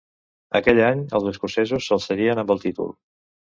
Aquell any els escocesos s'alçarien amb el títol.